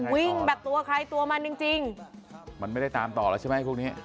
วิ่งแบบตัวใครตัวมันจริงจริงมันไม่ได้ตามต่อแล้วใช่ไหมพวกนี้